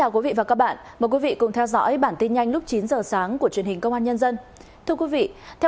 cảm ơn các bạn đã theo dõi